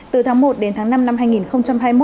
từ tháng một đến tháng năm năm hai nghìn hai mươi một